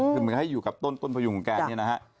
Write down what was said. คือมันให้อยู่กับต้นพระยุงแกนี่นะฮะ